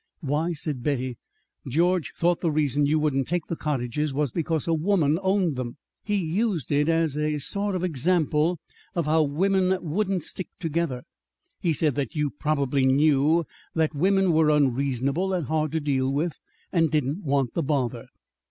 "Why," said Betty, "George thought the reason you wouldn't take the cottages was because a woman owned them. He used it as a sort of example of how women wouldn't stick together. He said that you probably knew that women were unreasonable and hard to deal with and didn't want the bother."